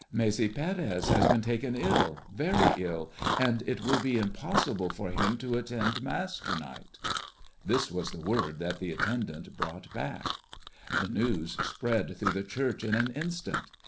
"Maese Pérez has been taken ill, very ill; and it will be impossible for him to attend Mass to night." This was the word that the attendant brought back. The news spread through the church in an instant.